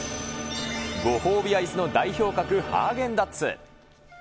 ご褒美アイスの代表格、ハーゲンダッツ。